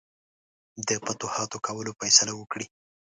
د فتوحاتو کولو فیصله وکړي.